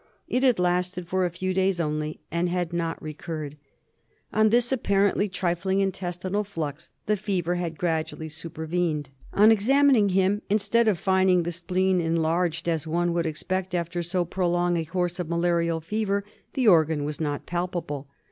It had lasted for a few days only and had not recurred. On this apparently trifling intestinal flux the fever had gradually super vened. On examining him, instead of finding the spleen enlarged, as one would expect after so prolonged a course of malarial fever, the organ was not palpable.